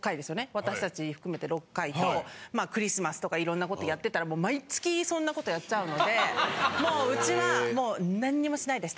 私たち含めて６回とクリスマスとかいろんなことやってたら毎月そんなことやっちゃうのでもううちは何にもしないです。